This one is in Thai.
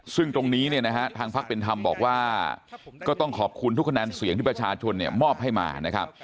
ซึ่งตรงนี้เนี่ยนะฮะทางพักเป็นธรรมบอกว่าก็ต้องขอบคุณทุกคะแนนเสียงที่ประชาชนเนี่ยมอบให้มานะครับ